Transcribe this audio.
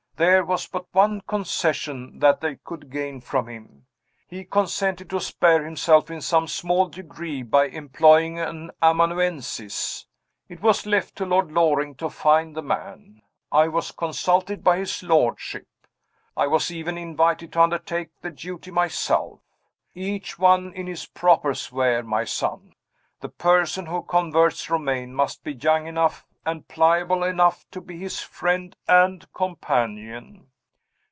There was but one concession that they could gain from him he consented to spare himself, in some small degree, by employing an amanuensis. It was left to Lord Loring to find the man. I was consulted by his lordship; I was even invited to undertake the duty myself. Each one in his proper sphere, my son! The person who converts Romayne must be young enough and pliable enough to be his friend and companion.